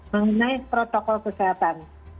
mengenai protokol kesehatan